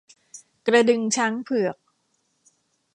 กระดึงช้างเผือก